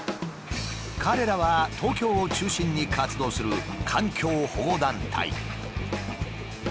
彼らは東京を中心に活動する環境保護団体。